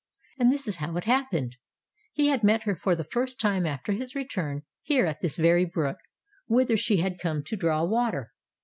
And this is how it happened. He had met her for the first time after his return, here at this very brook, whither she had come to draw water.